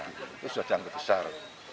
itu sudah dianggap besar